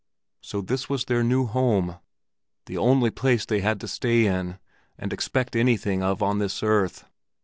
So this was their new home, the only place they had to stay in and expect anything of on this earth!